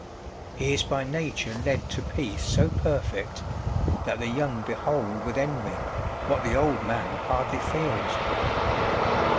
He is by nature led To peace so perfect, that the young behold With envy, what the old man hardly feels.